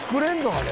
あれ」